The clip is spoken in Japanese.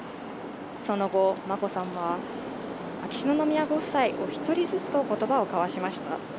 その後眞子さんは秋篠宮ご夫妻を一人ずつと言葉を交わしました